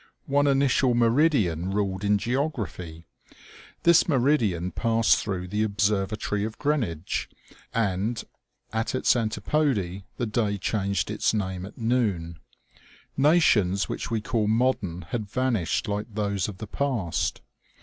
One initial meridian ruled in geography. This meridian passed through the observatory of Greenwich, and at its antipode the day changed its name at noon. Nations which we call modern had vanished like those of the past.